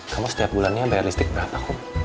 kamu setiap bulannya bayar listrik berapa